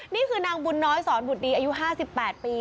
นี่คือนางบุญน้อยสอนบุตรดีอายุ๕๘ปี